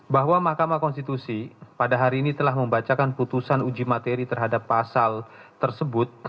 bahwa mahkamah konstitusi pada hari ini telah membacakan putusan uji materi terhadap pasal tersebut